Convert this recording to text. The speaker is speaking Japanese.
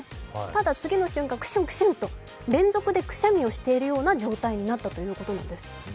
ただ、次の瞬間、クシュンクシュンと連続でくしゃみをしているような状態になったということです。